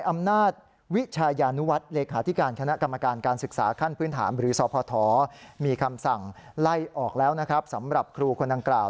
มีคำสั่งไล่ออกแล้วนะครับสำหรับครูคนนั้นกล่าว